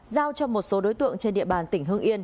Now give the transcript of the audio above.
giao cho một số đối tượng trên địa bàn tỉnh hưng yên